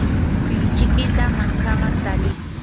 lichikita mankaman tali.